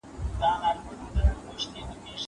زه مخکې درس لوستی و.